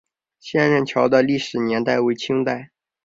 仙人桥的历史年代为清代。